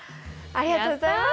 ありがとうございます！